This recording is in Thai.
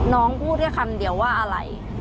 น้องพูดแค่คำเดียวว่าอะไร